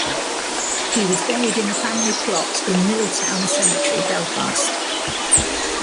He was buried in the family plot in Milltown Cemetery, Belfast.